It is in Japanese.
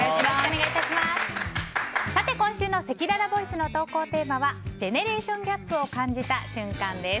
今週のせきららボイスの投稿テーマはジェネレーションギャップを感じた瞬間です。